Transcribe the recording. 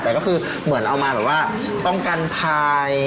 แต่ก็คือเหมือนเอามาแบบว่าป้องกันภัย